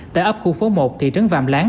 tại ấp khu phố một thị trấn vạm lán